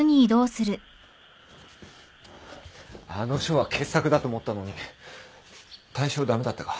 あの書は傑作だと思ったのに大賞駄目だったか。